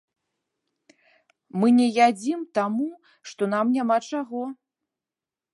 Мы не ядзім таму, што нам няма чаго.